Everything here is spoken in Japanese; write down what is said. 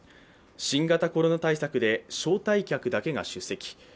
新型コロナ対策で招待客だけが出席。